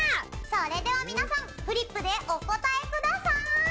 それでは皆さんフリップでお答えください！